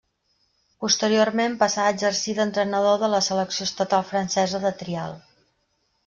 Posteriorment passà a exercir d'entrenador de la selecció estatal francesa de trial.